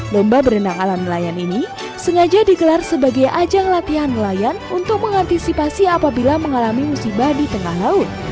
lomba berenang ala nelayan ini sengaja digelar sebagai ajang latihan nelayan untuk mengantisipasi apabila mengalami musibah di tengah laut